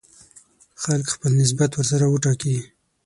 خلک خپل نسبت ورسره وټاکي.